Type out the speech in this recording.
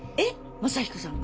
マサヒコさんが？